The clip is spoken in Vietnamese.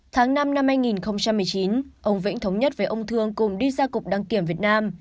tháng năm năm hai nghìn một mươi chín ông vĩnh thống nhất với ông thương cùng đi ra cục đăng kiểm việt nam